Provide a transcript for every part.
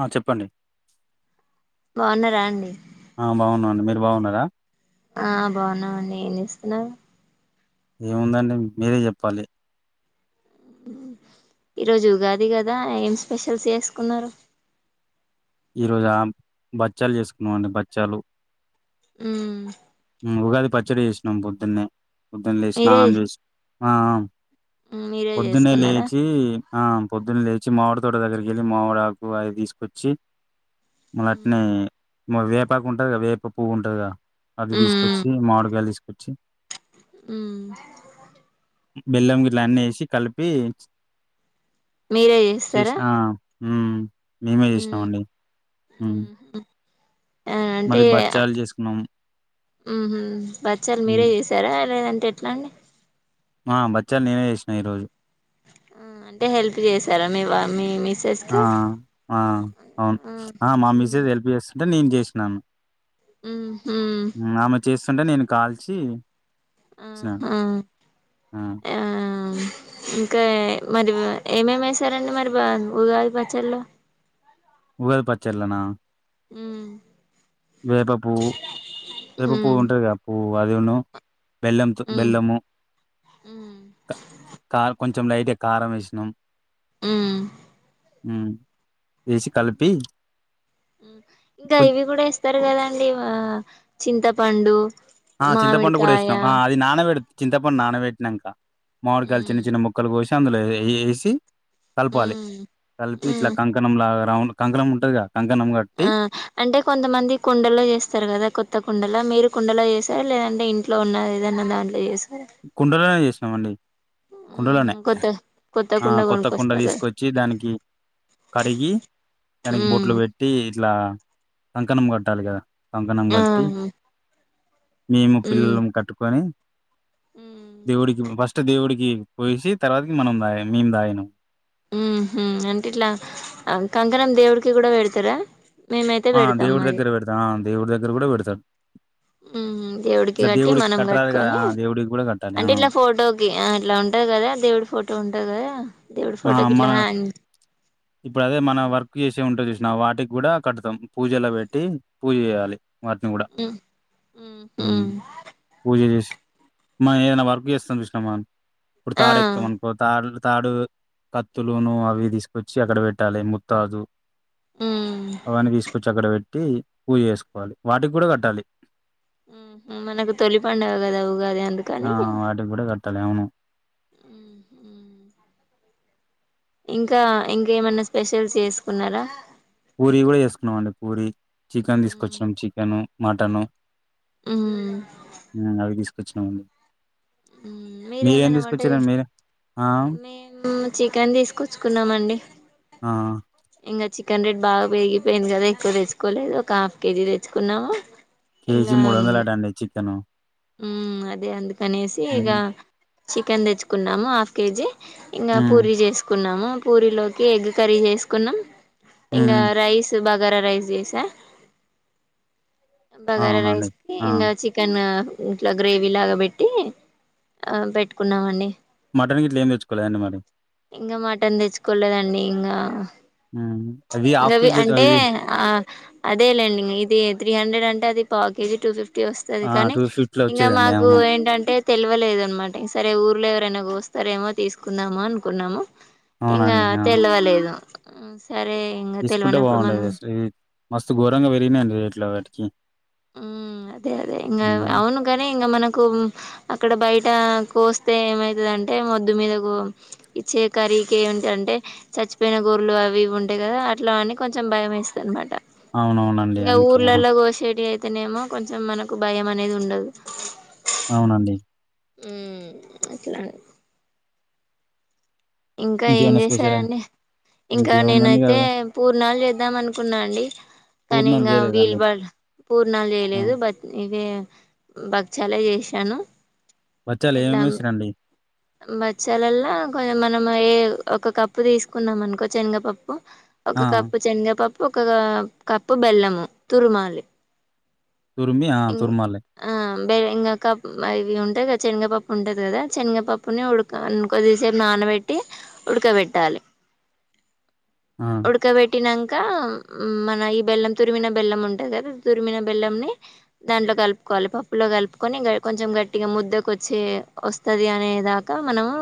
ఆ చెప్పండి బాగున్నారా అండి ఆ బాగున్నం అండి మీరు బాగున్నారా ఆ బాన్నామండి ఏమీ చేస్తున్నారు ఏముందండి మీరే చెప్పాలి ఈరోజు ఉగాది కదా ఏం స్పెషల్స్ చేసుకున్నారు ఈ రోజు ఆ బచ్చాలు చేసుకున్నాం అండి బచ్చాలు ఉ ఉగాది పచ్చడి చేసినాం పొద్దున్నే పద్దున లేసి మీరే స్నానం చేసి ఆ మీరే పొద్దున్న చేసుకున్నారా లేచి పొద్దున్న లేచి మావిడి తోట దగ్గరికి వెళ్ళి మావిడి ఆకు అవి తీసుకొచ్చి మళ్ళట్నే వేపాకు ఉంటుంది కదా వేప పువ్వు ఉంటుందిగా అది మ్మ్ తీసుకొచ్చి మాడిగాయలు తీసుకొచ్చి మ్మ్ బెల్లం గిట్లా అన్ని ఏసీ కలిపి మీరే చేసి చేస్తారా ఆ! హ్మ్ మేమే చేసినామ మ్మ్ అండి హ్మ్ ఆ అంటే మరి బచ్చాలు చేసుకున్నాము మ్మ్ బచ్చాలు మీరే హ్మ్ చేసారా లేదంటే ఎట్లా అండి ఆ బచ్చాలు నేనేే చేసినా ఈ రోజు హ్మ్ అంటే హెల్ప్ చేసారా మీ మీ మిస్సెస్కి ఆ అవును ఆ మా మిసెస్ హెల్ప్ చేస్ అంటే నేను చేసినాను హ్మ్ హు అంటే నేను కాల్చి హ్మ్ ఇచ్చినాను హు ఆ ఇంకా మరి ఏమేమి ఏసారండీ మరి ఊగాది పచ్చలో ఉగాది పచ్చర్లనా హ్మ్ వేప పూవ్వు వేప ఉమ్ పువ్వు ఉంటాది గా పూ ఓ అది ను బెల్లంతో ఉమ్ బెల్లము ఉమ్ క కొంచెం లైట్ గ కారం వేసినం హ్మ్ హ్మ్ వేసి కలిపి ఇంకా కొ ఇవి కూడా వేస్ చెస్తరు కదండి ఆ చింతపండు ఆ చింతపండు కూడా మామిడికాయ వేసినం ఆ అది నాన పెడ చింతపండు నానబెట్టినంక మామిడికాయలు చిన్న ఉమ్ చిన్న ముక్కలు కోసి అందులో ఏ ఏసి కలపాలి ఉమ్ కలిపి ఇట్లా ఉమ్ కంకణం లాగా అవును కంకణం ఉంటది గా ఆ అంటే కొంతమంది కుండలో చేస్తారు కదా కొత్త కుండలో మీరు కుండలో చేసారా లేదంటే ఇంట్లో ఉన్న ఏదన్నా దాంట్లో చేస్ కుండలోనే చేస్ ఏమండి ఉహు కుండలోనే కొత్త కొత్త ఆ కుండ కొత్త కుండ కొనుక్కొస్తారు కదా తీసుకొచ్చి దానికి కడిగి దానికి ఉమ్ బొట్లు పెట్టి ఇట్లా కంకణం కట్టాలి కదా కంకణం ఆ కట్టి మేము ఉమ్ పిల్లలము కట్టుకొని ఉహు దేవుడికి ఫస్ట్ దే దేవుడికి పోసి తర్వాతకి మనం దాగినం మేము దాగినం ఊహ్ అంటే ఇట్లా కంకణం దేవుడికి కూడా పెడతారా మేమైతే ఆ పెడతాం దేవుడి మరి దగ్గర పెడతామ్ ఆ దేవుడి దగ్గర కూడా పెడతరు ఉహు దేవుడికి కట్టి మనం కట్టరాదు కదా కట్టుకొని ఆ దేవుడికి కూడా కట్టాలి ఆ అంటే ఇట్లా ఫోటోకి ఆ ఇట్లా ఉంటది కదా దేవుడి ఫోటో ఉంటది కదా దేవుడి ఆ ఫోటోకి ఇట్లా మన హ్యాంగ్ నా వాటికి కూడా కడతం పూజలో పెట్టి పూజ చెయ్యాలి వాటిని కూడా ఉమ్ ఊ ఉమ్ పూజ చేసి మనం ఏదైనా వర్క్ చేస్తమ్ చూసినవ ఇప్పుడు ఆ తాడు ఎక్తమనుకో తాడు తాడు కత్తులును అవి తీసుకొచ్చి అక్కడ పెట్టాలి ముత్తాజు ఉమ్ అవన్నీ తీసుకొచ్చి అక్కడ పెట్ పెట్టి పూజ చేసుకోవాలి వాటికి కూడా కట్టాలి ఊహు మనకు తొలి పండుగ కదా ఉగాది ఆ అందుకని వాటికి కూడా కట్టాలి అవును ఉ ఇంకా ఇంకా ఏమన్నా స్పెషల్ చేసుకున్నారా పూరి కూడా చేసుకున్నామండి పూరి చికెన్ ఉమ్ తీసుకొచ్చినం చికెన్ మటన్ ఉమ్ అవి తీసు వచ్చిన మీరేమైనా వంటే మీరే ఆ మేము చికెన్ తీసుకొచ్చుకున్నామండి ఆ ఇంకా చికెన్ రేట్ బాగా పేగి పెంజవే ఎక్కువ తెచ్చుకోలే హాఫ్ కేజీ తెచ్చుకున్నావా కేజీ మూడు వందలట అండి చికెను ఉ అదే అంది కనేసి ఈగ హ్మ్. చికెన్ తెచ్చుకున్నాము హాఫ్ కేజీ ఇంకా హ్మ్. పూరి చేసుకున్నాము పూరిలోకి ఎగ్ కర్రీ చేసుకున్నాం ఇంగా హ్మ్. రైస్ బా గర రైస్ చేసా బగారా అవునండి రైస్కి ఆ ఇంగ చికెన్ ఇట్లా గ్రేవీ లాగా పెట్టి ఆ పెట్టుకున్నామ అండి మటన్ గిట్ల ఏమి తెేచ్చుకోలేదండి మరి ఇంకా మటన్ తెచ్చుకోలేదండి ఇంగా హ్మ్. అది హాఫ్ మేబి కేజీ తెచ్ అంటే ఇది ఆ అదేలేండి ఇది త్రీ హండ్రెడ్ అంటే అది పావుకేజీ టు ఫిఫ్ వస్తది ఆ! కానీ టూ ఫిఫ్టీలో ఇంగ వచ్చేదండి మాకు అవును ఏంటంటే తెలియలేదునమాట ఈసారి ఊర్లో ఎవరైనా కోస్తారేమో తీసుకుందామ అనుకున్నాము ఇంగ అవునండి ఆ తెల్వలేదు ఉమ్ సరే తీసుకుంటే బాగుండేదసలు మస్తు ఘోరంగా పెరిగినయిండి రేట్ల [unintelligible] ఉం అదే అదే ఇంగా అవును గని ఇంగ మన కు అక్కడ బయట కోస్తే ఏమైతుందంటే మొద్దు మీదకు ఇచ్చే కర్రీకి ఏంటంటే చచ్చిపోయిన గొర్లు అవి ఇవి ఉంటాయి కదా అట్లాని కొంచెం భయ మేస్తది అన్నమాట అవునవునండి ఇంగ అందుకే ఆ ఊర్లలా గోషేటీ అయి అంతనేమో కొంచెం మనకు భయం అనేది ఉండదు అవునండి ఉ అట్లా ఇంకా ఏం ఇంకేమైనా స్పెషల్ చేశారండి ఇంకా ఇంకేముందండి అ నేనైతే పూర్ణాలు చే ద్దాం అనుకున్నా అండి కానీ పూర్ణాలు ఇంకా వీలు చేయలేదండి పూర్ణాలు ఆ చేయలేదు బ ఇవ భక్ష్యాలే చేసాను వచ్చాల ఏమేమిసిరండి మచ్చాలలో కొంచం మనం ఏ ఒక కప్పు తీసుకుందాం అనుకో శనగపప్పు ప్పు ఆ ఒక కప్పు చెగపప్పు ఒక కప్పు బెల్లము తురుమాలి తురుమి ఆ తురుమాలే బెగఇంక అవి ఉంటాయిద శనగపప్పు ఉంటది కదా శనగపప్పు ప్పుని ఉడక కొద్దిసేపు నానబెట్టి ఉడకబెట్టాలి ఆ ఉడ్కాబెట్టి నాం ఇంకా మన బెల్లం తురిమిన బెల్లం ఉంటంది కదా తురిమిన బెల్లం ని దాంట్లో కలుపుకోవాలి పప్పులో కలుపుకొని కొంచెం గట్టిగా ముద్దకు వచ్చి వస్తది అనేదా క మనము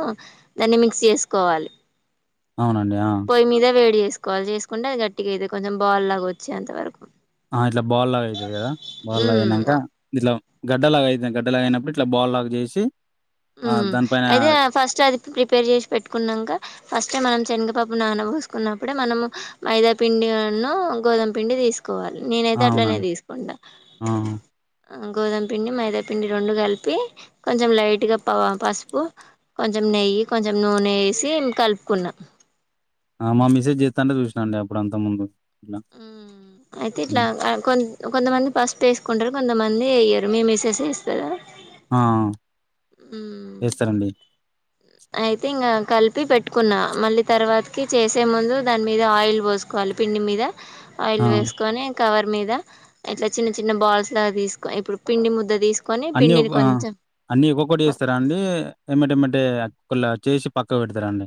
దాన్ని మిక్స్ చేసుకోవాలి అవునండి ఆ పొయి మీద వేడి తీసుకోవాలి చేసుకుంటే అది గట్టి అంది కొంచెం బాల్ లాగా వచ్చే అంత వరకు ఆ ఇట్లా బాల్ లా అయితుారు కదా బాల్ లా అయినాక ఉమ్ ఇట్లా గడ్డలాగా అయితుంది గడ్డలాగా అయినప్పుడు ఇట్లా బాల్లాగా చేసి ఉ ఆ దానిపైన అయితే ఫస్ట్ అది ప్రిపేర్ చేసి పెట్టుకున్నాక ఫస్ట్ మనం శనగపాప్పు నానబూసుకున్నప్పుడే మనము మైదా పిండిన్న గోుమ పిండి తీసుకు కోవాలి ఆ నేనైతే అట్లనే అవునండి తీసుకుంటా ఆ గోధామ పిండి మైదాపిండి రెండు కలిపి కొంచెం లైట్గా పసుపు కొంచెం నెయ్యి కొంచెం నూనె వేసి కలుపుకున్నాం ఆ మా మిసెస్ చేస్తాంటే చూసినాండి అప్పుడు అంతా ముందు ఇట్లా అయితే ఇట్లా హ్మ్. కొ కొంతమంది పసుపు వేసుకుంటారు కొంతమంది వయ్యరు మీ మిసెస్ వేస్తారా ఆ వేస్తారంండి అయితే ఇం కలిపి పెట్టుకున్నా మళ్ళీ తర్వాతకి చేసే ముందు దాని మీద ఆయిల్ పోసుకోవాలి పిండి మీద ఆయిల్ ఆ వేసుకొని కవర్ మీద ఇట్లా చిన్న చిన్న బాల్స్ లాగా తీసుకో ఇప్పుడు పిండి ముద్ద తీసుకో అన్ని ఒ అన్నిీ ఒక్కొక్కటి చేస్తారా అండి ఏమటిమ అంటే కులా చేసి పక్క పెడతారంండి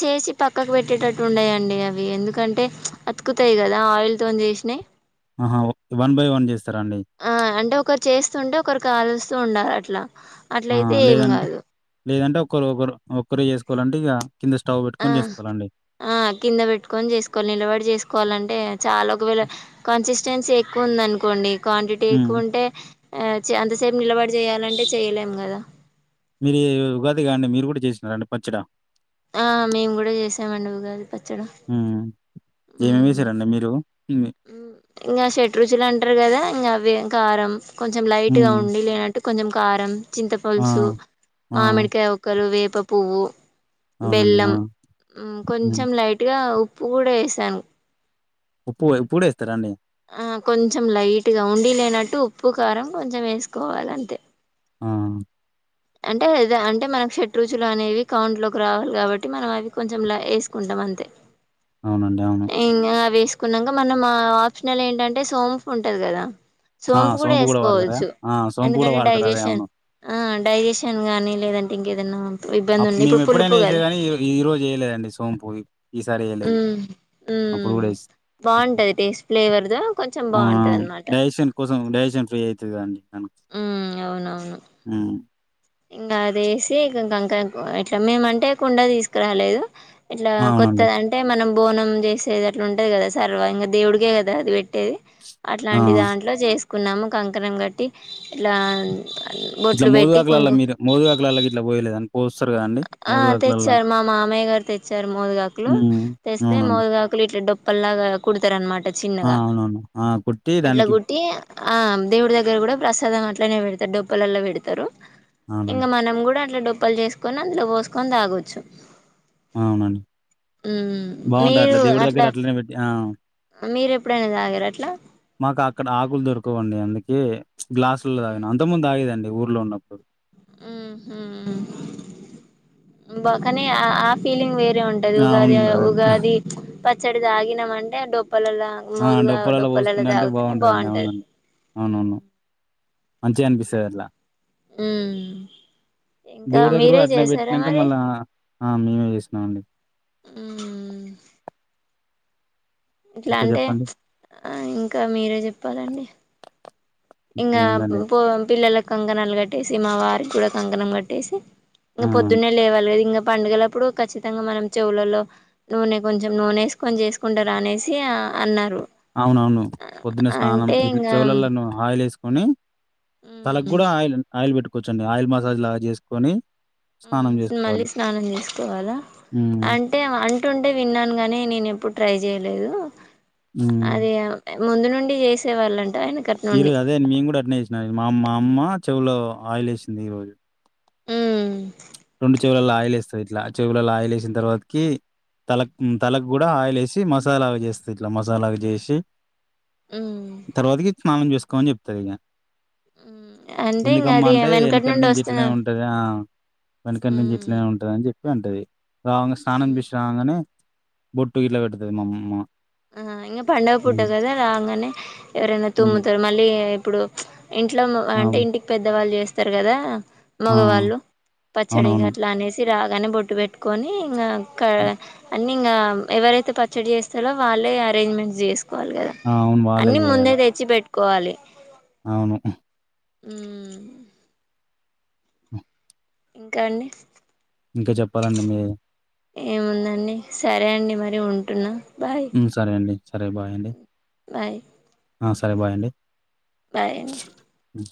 చేసి పక్కకు పెట్టేటట్టు ఉండయంండి అవి ఎందుకంటే అతుకుతాయి కదా ఆయిల్ తో చేసినాయి ఆహా! వన్ బై వన్ చేస్తారా అండి? ఆ అంటే ఒకరు చేస్తుంటే ఒకరి కాల్ చూండారు అట్లా అట్లయితే ఏం కాదు ఒక్కరు ఒకరు ఒక్కరుే చేసుకోవాలంటే ఇక ఆ ఆ కింద పెట్టుకొని చేసుకోవాలి నిలబడి చేసుకోవాలంటే చాలా ఒకవేళ కొంచ ఛాన్స్ ఎక్కువ ఉందనుకోండి క్వాంటిటీ హ్మ్. ఎక్కువ ఉంటే ఆ అంతసేపు నిలబడి చేయాలంటే చెయలేము కదా మీరు ఉగాదిగా అండి మీరు కూడా చేసినారండి పచ్చడ ఆ మేము కూడా చేసామంండి ఉగాది పచ్చడ ఏమేమిసారండి మీరు హ్మ్. ఇంకా షెట్ రుచులు అంటారు కదా ఇంకా అవి కారం కొంచెం లైట్ గా హ్మ్. ఉండి లేనట్టు కొంచెం కారం ఆ! చింతపలుసు ఆ! మామిడికాయ ఒకరు వేపు ప్ప పువ్వు అవునండి. ఆ! బెల్లం హ్మ్. కొంచెం లైట్గా ఉ ఉప్పు కూడా వేసాను ఉప్పు ఇప్పుడే ఇస్తారా అండి ఆ కొంచెం లైట్గా ఉండి లేనట్టు ఉప్పు కారం కొంచెం వేసుకోవాలి అంతే ఆ అంటే అదే అంటే మనకు షడ్రుచులు అనేవి కౌంట్ లోకి రావాలి కాబట్టి మనం అవి కొంచెం లా వేసుకుంటాం అంతే అవునండి అవును కున్నాక మన ఆప్షనల్ ఏంటంటే సోమ్ఫ ఉంటది కదా ఆ! సోంపు కూడా వాడతారా? వేసుకోవచ్చు ఆ! సోంపు కూడా ఎందుకంటే వాడతారు. అదే అవును. డైజెషన్ ఆం డైజెషన్ నీ లేదంటే ఇంకేదైన్నా మేము ఎప్పుడైనా చేసే కానీ ఈ ఈ రోజు చేయలేదండి సొంపోయి మ్మ్ మ్మ్ వేసి బాగుంటది టేస్ట్ ఫ్లేవర్ దో కొంచెం బాగుంటది అనమాట డైజషన్ ఫ్రీ అయితది అండి ఉమ్ అవునవును మ్మ్ ఇంకా అదిసి ఇంకాంకా ఇట్లా మేమంటే కుండ తీసుకురాలేదు ఇట్లా అవునండి కొత్తది అంటే మనం బోనం చేసేది అట్లా ఉంటది కదా సర్వ ఇంకా దేవుడికే కదా అది పెట్టేది ఆ అట్లాంటి దాంట్లో చేసు కున్నాము కంకణం కట్టి ఇట్లా బొట్లు పెట్టి లా కుంకు మీరు మోదు కాకులలాకి ఇట్ పోయలేదండి పోస్తారు కదండి ఆ మోదుగాకులల్లా తెచ్చారు మా మా అమయ్య గారు తెచ్చారు మోదుగాకులు ఉమ్ తెస్తే అవునండి మోదుగాకులు ఇట్లా డప్పు పల్గా కుడతారు అన్మాట ఆ అవునవును ఆ కొట్టి దానికి కుట్టి ఆ దేవుడి దగ్గర కూడా ప్రసాదం అట్లనే పెడతారు డొప్పలలో పెడతారు ఇంకా అవునండి మనం కూడా డప్పలు చేసుకు కొన్న అందులో పోసుకొని తాగొచ్చు అవునండి మ్మ్ బాగుంటాంది మీరు అట్లా దేవుడి దగ్గర అట్లనే పెట్టి ఆ మీరు ఎప్పుడైనా తాగారా అట్లా మాకు అక్కడ ఆకులు దొరకవండి అందుకే గ్లాసుల్లో తాగినం అంత ముందు తాగేదండి ఊర్లో ఉన్నప్పుడు ఉహు బా కాని ఆ ఫీలింగ్ వే ఉంటది ఆ ఉగాది అవును ఉగాది ప ఒకేసారి తాగినమంటే డబ్బ డప్పలలా ఆ మోదుగా డప్పులలో డొప్పలలో పోసుకుంటా అంటే తాగితేనే బాగుంటదండి బాగుంటది అవునండి అవునవును. మంచిగా అనిపిస్తుంది అట్లా మ్మ్ ఇంకా దేవుడి దగ్గర కూడా మీరే అట్నే చేసారా పెట్టినాక మరి మళ్ళీ మేమే చేసినం అండి మ్మ్ ఇట్లా అంటే ఆ ఇంకా మీరే చెప్పాలండి ఇంగ ఇంకేముందండి. పో పిల్లల కంకణాలు కట్టేసి మా వారికి కూడా కంకణం కట్టేసి ఆ! ఇంకా పొద్దున్నే లేవాలిద ఇంకా పండుగలప్పుడు ఖచ్చితంగా మనం చెవులలో నూనె కొంచెం నూనె వసుకొని చేసుకుంటారా అనేసి అన్నారు అవునవును పొద్దున్న స్నానం అంటే ఇ ఇంగా చెవులలో ఆయిల్ వేసు నీమో తలకు మ్మ్ కూడా ఆ ఆయిల్ పెట్టుకు కూర్చోండి ఆయిల్ మసాజ్ లాగా చేసుకొని ఆ స్నానం మళ్ళీ చేసుకోవాలి. స్నానం తీసుకోవాలా హ్మ్. అంటే అంటే అట్ ఉంటే విన్నాను గాని నేను ఎప్పుడు ట్రై చేయలేదు హ్మ్. అదే ముందు నుండి చేసేవాళ్ళండి ఇరు అదే మ మీ కూడా అట్నే మా మా అమ్మ చెవులో ఆయిల్ వేసింది ఈ రోజు మ్మ్ రెండు చెవులల్లో ఆయిల్ వేస్తుంది ఇట్లా చెవులలో ఆయిల్ వేసిన తర్వాతకి తలక్ తలకు కూడా ఆయిల్ వేసి మసాలాగా చేస్తుంది ఇట్లా మసాలాగా చేసి ఉమ్ తర్వాతకి స్నానం చూసుకో కొన్ చెప్తారుగా ఉమ్ అంటే ఇంగ ఎందుకమ్మా అది అంటే వెనకటి నుండి నుంచి వస్తున్నా ఇట్లనే ఉంటది వెనక నుంచి ఉమ్ ఎట్లనే ఉంటది అని చెపింది ఎప్పుడు అంటది వంగ స్నానం ఉమ్ చేసిరంగానే బొట్టు గిట్ల పెడతది మాఅమ్మ ఆ ఇంకా పంండగ పూట కదా రాగానే ఎవరైనా హ్మ్ తుమ్ముతారు మళ్ళీ ఇప్పుడు ఇంట్లో అంటే అవు ఇంటికి పెద్దవాళ్ళు చేస్తారు చెప్తారు కదా ఆ మంగవాాలలో పచ్చడి అవునవును కట్లానేసి రా కాగానే బొట్టు పెట్టుకొని ఇంకా క అన్నింగ్ ఎవరైతే పచ్చడి చేస్తారో వాళ్ళే అరంజ్ంట్ చేసు కోవాలి కదా ఆ అవును వాళ్ళే అన్ని ముందే చేయాలి తెచ్చి పెట్టు కోవాలి అవును ఉ ఇంకా అండి ఇంకా చెప్పాలండి మీరే ఏముందండి సరే అండి మరి ఉంటున్నా బాయ్ సరే అండి సరే బాయ్ అండి బాయ్ సరే బాయ్ అండి బాయ్ అండి అ